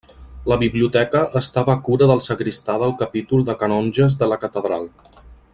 La biblioteca estava a cura del sagristà del capítol de canonges de la catedral.